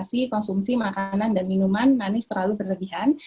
konsumsi makanan dan minuman manis terlalu berlebihan